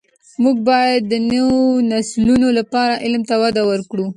موږ باید د نوو نسلونو لپاره علم ته وده ورکړو.